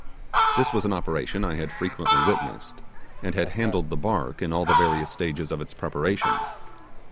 This was an operation I had frequently witnessed, and had handled the bark in all the various stages of its preparation.